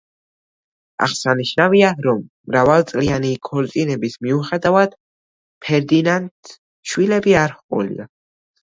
აღსანიშნავია, რომ მრავალწლიანი ქორწინების მიუხედავად ფერდინანდს შვილები არ ჰყოლია.